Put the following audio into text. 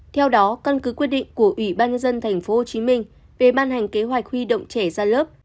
theo đó căn cứ quyết định của ủy ban nhân dân tp hcm về ban hành kế hoạch huy động trẻ ra lớp